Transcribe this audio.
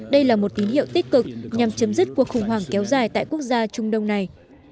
đây là một tín hiệu tích cực nhằm chấm dứt cuộc khủng hoảng kéo dài tại quốc gia trung đông này